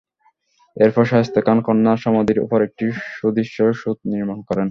এরপর শায়েস্তা খান কন্যার সমাধির ওপর একটি সুদৃশ্য সৌধ নির্মাণ করেন।